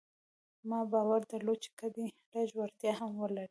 ما باور درلود چې که دی لږ وړتيا هم ولري.